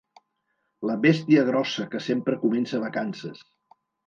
La bèstia grossa que sempre comença vacances.